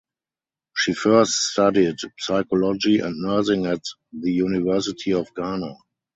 She first studied psychology and nursing at the University of Ghana.